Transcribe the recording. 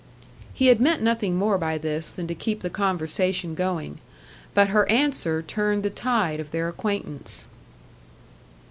He had meant nothing more by this than to keep the conversation going. But her answer turned the tide of their acquaintance.